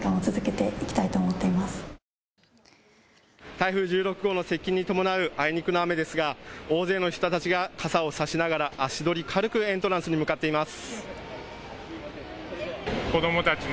台風１６号の接近に伴うあいにくの雨ですが大勢の人たちが傘を差しながら足取り軽くエントランスに向かっています。